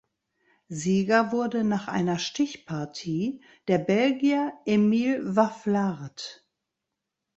Sieger wurde nach einer Stichpartie der Belgier Emile Wafflard.